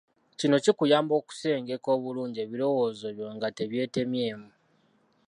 Kino kikuyamba okusengeka obulungi ebirowoozo byo nga tebyetemyemu.